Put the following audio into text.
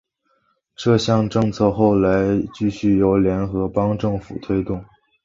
这项政策后来继续由联合邦政府推动。